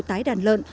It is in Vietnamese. tái đàn trở lại